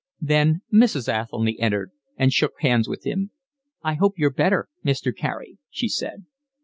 Then Mrs. Athelny entered and shook hands with him. "I hope you're better, Mr. Carey," she said.